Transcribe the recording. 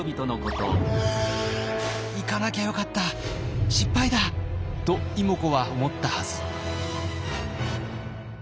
「行かなきゃよかった失敗だ！」と妹子は思ったはず。